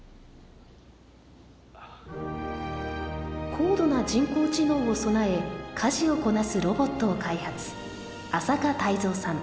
・高度な人工知能を備え家事をこなすロボットを開発浅香泰造さん。